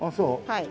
はい。